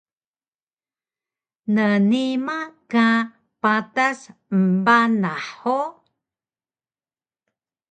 Nnima ka patas embanah hug?